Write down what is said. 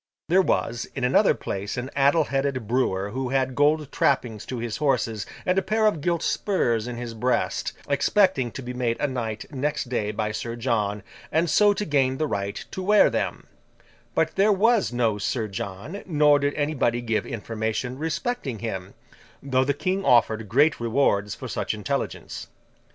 There was, in another place, an addle headed brewer, who had gold trappings to his horses, and a pair of gilt spurs in his breast—expecting to be made a knight next day by Sir John, and so to gain the right to wear them—but there was no Sir John, nor did anybody give information respecting him, though the King offered great rewards for such intelligence.